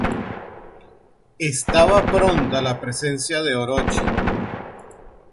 Estaba pronta la presencia de Orochi.